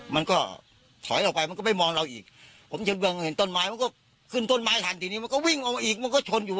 มันก็ถอยออกไปมันก็ไม่มองเราอีกผมจะเห็นต้นไม้มันก็ขึ้นต้นไม้ทันทีนี้มันก็วิ่งออกมาอีกมันก็ชนอยู่